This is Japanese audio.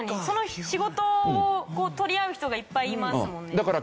その仕事を取り合う人がいっぱいいますもんね。